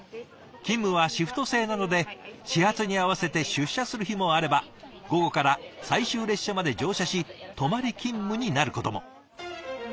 勤務はシフト制なので始発に合わせて出社する日もあれば午後から最終列車まで乗車し泊まり勤務になることも。